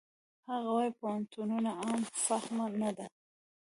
هغه وايي پوهنتون عام فهمه نه ده.